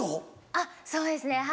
あっそうですねはい。